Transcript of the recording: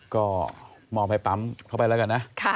ก็มองไปปั๊มเข้าไปแล้วกันนะ